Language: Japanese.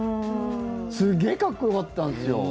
すげえかっこよかったんですよ。